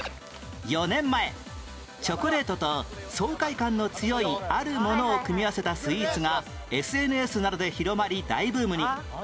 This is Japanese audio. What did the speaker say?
４年前チョコレートと爽快感の強いあるものを組み合わせたスイーツが ＳＮＳ などで広まり大ブームに